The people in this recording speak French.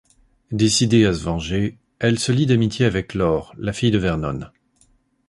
Décidée à se venger, elle se lie d'amitié avec Laure, la fille de Vernon.